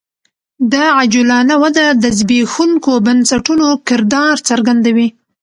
دا عجولانه وده د زبېښونکو بنسټونو کردار څرګندوي